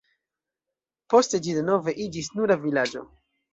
Poste ĝi denove iĝis nura vilaĝo.